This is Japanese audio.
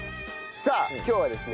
さあ今日はですね